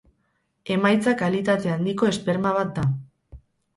Emaitza kalitate handiko esperma bat da.